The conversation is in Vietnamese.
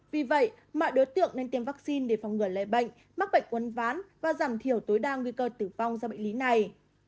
vì vậy mọi đối tượng nên tiêm vaccine để phòng ngừa lệ bệnh mắc bệnh uốn ván và giảm thiểu tối đa nguy cơ tử vong do bệnh lý này